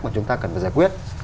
mà chúng ta cần phải giải quyết